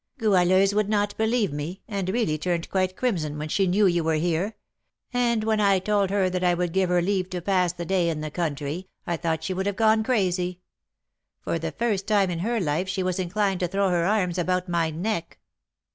"Goualeuse would not believe me, and really turned quite crimson when she knew you were here; and when I told her that I would give her leave to pass the day in the country, I thought she would have gone crazy, for the first time in her life she was inclined to throw her arms about my neck."